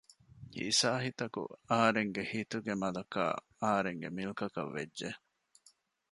އިސާހިތަކު އަހަރެންގެ ހިތުގެ މަލަކާ އަހަރެންގެ މިލްކަކަށް ވެއްޖެ